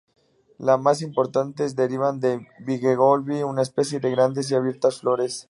Los más importantes derivan de "M.bigelovii", una especie de grandes y abiertas flores.